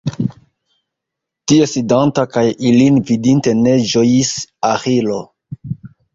Tie sidanta, kaj ilin vidinte ne ĝojis Aĥilo.